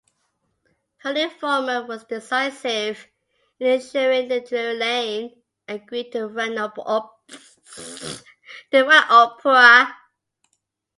Her involvement was decisive in ensuring that Drury Lane agreed to run the opera.